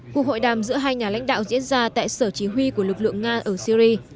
cuộc hội đàm giữa hai nhà lãnh đạo diễn ra tại sở chí huy của lực lượng nga ở syri